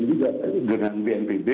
kira juga dengan bnpb